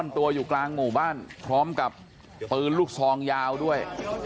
ตัวอยู่กลางหมู่บ้านพร้อมกับปืนลูกซองยาวด้วย